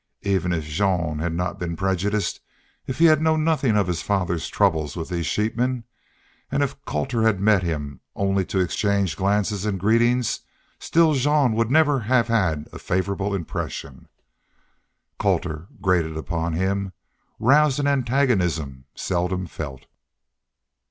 Even if Jean had not been prejudiced, if he had known nothing of his father's trouble with these sheepmen, and if Colter had met him only to exchange glances and greetings, still Jean would never have had a favorable impression. Colter grated upon him, roused an antagonism seldom felt.